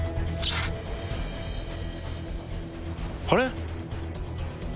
あれ？